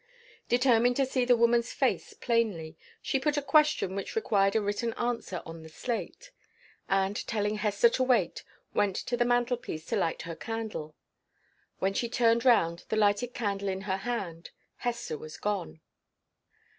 Determined to see the woman's face plainly, she put a question which required a written answer on the slate; and, telling Hester to wait, went to the mantle piece to light her candle. When she turned round with the lighted candle in her hand, Hester was gone.